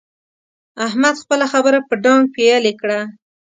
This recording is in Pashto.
احمد خپله خبره په ډانګ پېيلې کړه.